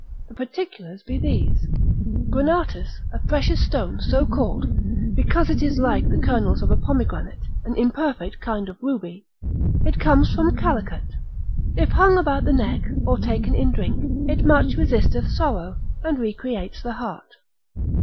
The particulars be these. Granatus, a precious stone so called, because it is like the kernels of a pomegranate, an imperfect kind of ruby, it comes from Calecut; if hung about the neck, or taken in drink, it much resisteth sorrow, and recreates the heart.